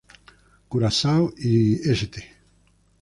Curazao y St.